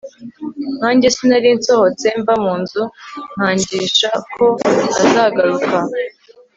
nkanjye sinari nsohotse mva munzu nkangisha ko ntazagaruka